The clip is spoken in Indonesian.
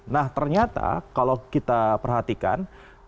nah ternyata kalau kita perhatikan